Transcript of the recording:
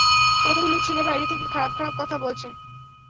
কতগুলো ছেলে বাইরে থেকে, খারাপ খারাপ কথা বলছে।